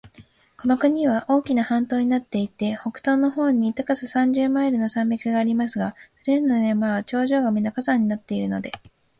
この国は大きな半島になっていて、北東の方に高さ三十マイルの山脈がありますが、それらの山は頂上がみな火山になっているので、